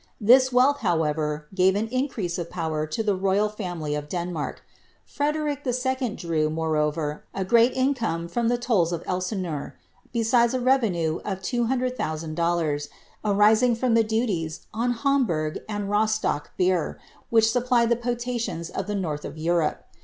This wealth, however^ gave an increase of power to the roy^ iamily of Denmark. Frederic II. drew, moreover, a great income from the tolls of Elsineur, besides a revenue of 200,000 dollars, arising from the duties on Hamburgh and Rostock beer, which supplied the potations of the north of Europe.